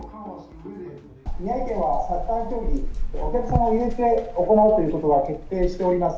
宮城県はサッカー競技、お客様を入れて行うということは決定しております。